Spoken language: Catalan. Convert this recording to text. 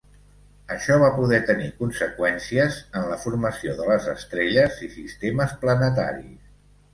Això va poder tenir conseqüències en la formació de les estrelles i sistemes planetaris.